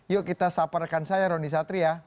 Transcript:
yuk kita saperkan saya roni satri ya